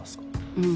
うん。